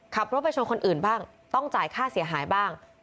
ขับรถไปชนคนอื่นบ้างต้องจ่ายค่าเสียหายบ้าง